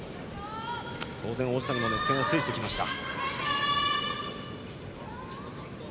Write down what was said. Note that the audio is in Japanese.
当然、王子谷も熱戦を制してきました。